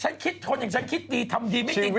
ฉันคิดทนอย่างฉันคิดดีทำดีไม่จริง